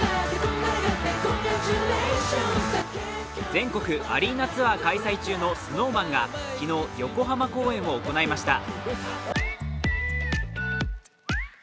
全国アリーナツアー開催中のＳｎｏｗＭａｎが昨日、横浜公演を行いました。